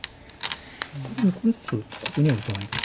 でもこれだとここには打たないか。